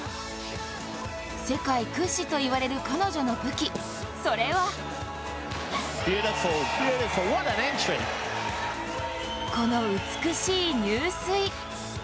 世界屈指と言われる彼女の武器、それはこの美しい入水。